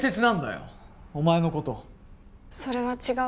それは違うよ。